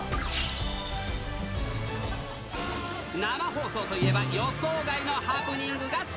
生放送といえば、予想外のハプニングが。